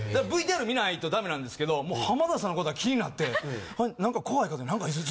ＶＴＲ見ないとダメなんですけど浜田さんの事が気になって何か怖いけど何か。